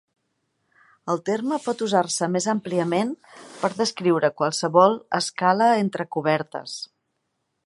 El terme pot usar-se més àmpliament per descriure qualsevol escala entre cobertes.